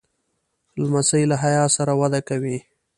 لمسی له حیا سره وده کوي.